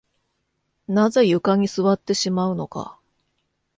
なぜ床に座ってしまうのか